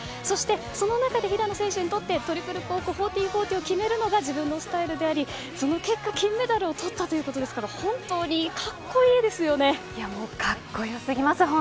そしてその中で歩夢選手にとってトリプルコーク１４４０を決めるのが自分のスタイルでありその結果、金メダルを取ったというのが本当にかっこよすぎます